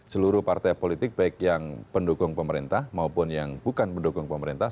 seluruh partai politik baik yang pendukung pemerintah maupun yang bukan pendukung pemerintah